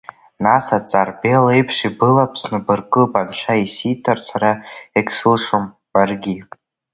Нас аҵарбел еиԥш ибылаԥсны быркып анцәа исиҭар, сара егьсылшом, баргьы…